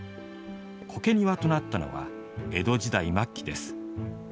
苔庭となったのは江戸時代末期です。